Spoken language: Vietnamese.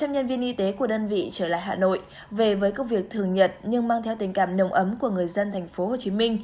một trăm linh nhân viên y tế của đơn vị trở lại hà nội về với công việc thường nhật nhưng mang theo tình cảm nồng ấm của người dân tp hcm